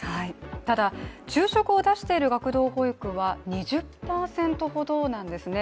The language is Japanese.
ただ昼食を出している学童保育は２０％ほどなんですね。